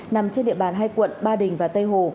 nằm trên địa bàn hai quận ba đình và tây hồ